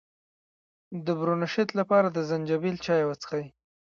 د برونشیت لپاره د زنجبیل چای وڅښئ